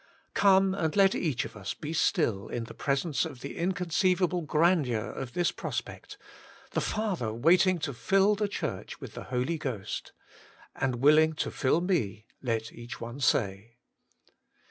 Come and let each of us be still in presence of the inconceivable grandeur of this prospect : the Father waiting to fill the Church with the Holy Ghost. And willing to fill me, let each one say.